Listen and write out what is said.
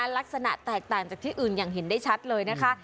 ลักษณะแตกต่างจากที่อื่นอย่างเห็นได้ชัดเลยนะคะ